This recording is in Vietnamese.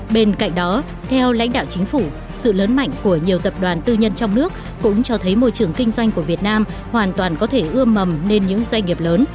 bên cạnh đó theo lãnh đạo chính phủ sự lớn mạnh của nhiều tập đoàn tư nhân trong nước cũng cho thấy môi trường kinh doanh của việt nam hoàn toàn có thể ưa mầm nên những doanh nghiệp lớn